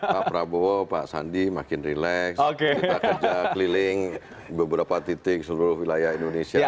pak prabowo pak sandi makin rileks kita kerja keliling di beberapa titik seluruh wilayah indonesia